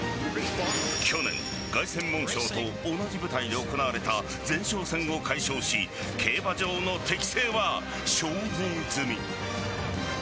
去年、凱旋門賞と同じ舞台で行われた前哨戦を快勝し競馬場の適性は証明済み。